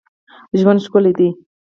ژوند ښکلی دئ.